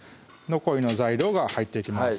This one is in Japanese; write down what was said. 残りの材料が入っていきます